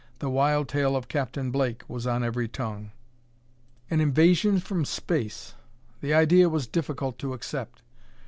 The wild tale of Captain Blake was on every tongue. An invasion from space! The idea was difficult to accept.